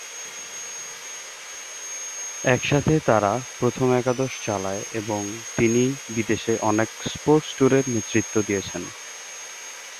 একসাথে তারা প্রথম একাদশ চালায় এবং তিনি বিদেশে অনেক স্পোর্টস ট্যুরের নেতৃত্ব দিয়েছেন।